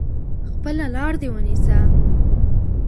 خپله لار دي ونیسه !